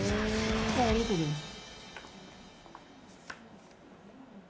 ありがとうございます。